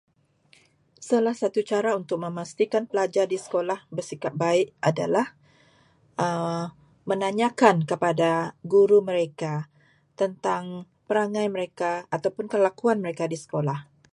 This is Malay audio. Salah satu cara untuk memastikan pelajar di sekolah bersikap baik adalah menanyakan kepada guru mereka tentang perangai mereka ataupun kelakuan mereka di sekolah.